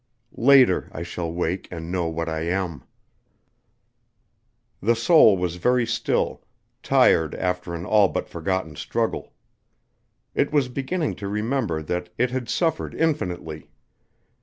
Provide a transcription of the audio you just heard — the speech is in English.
Later I shall wake and know what I am." The soul was very still, tired after an all but forgotten struggle. It was beginning to remember that it had suffered infinitely.